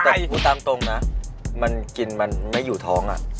แต่พูดตามตรงนะมันกินมันไม่อยู่ท้องอ่ะ